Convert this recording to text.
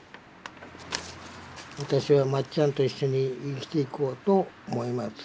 「私はまっちゃんと一緒に生きていこうと思います。